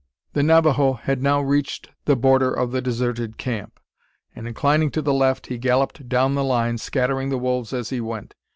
The Navajo had now reached the border of the deserted camp; and inclining to the left, he galloped down the line, scattering the wolves as he went.